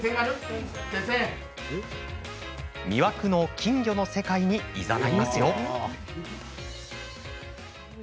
魅惑の金魚の世界にいざないますよ。